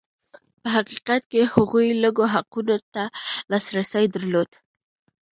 په حقیقت کې هغوی لږو حقوقو ته لاسرسی درلود.